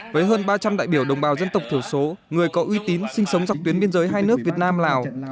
với hơn ba trăm linh đại biểu đồng bào dân tộc thiểu số người có uy tín sinh sống dọc tuyến biên giới hai nước việt nam lào